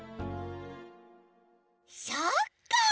そっか！